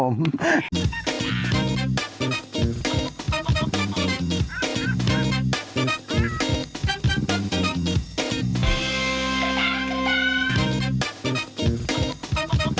นี่ครับผม